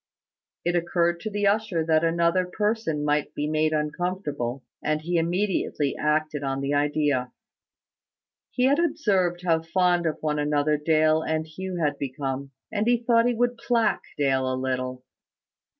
It occurred to the usher that another person might be made uncomfortable; and he immediately acted on the idea. He had observed how fond of one another Dale and Hugh had become; and he thought he would plague Dale a little.